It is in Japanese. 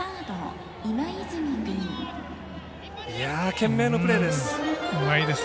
懸命のプレーです。